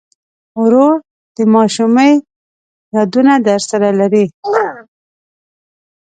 ورور د ماشومۍ یادونه درسره لري.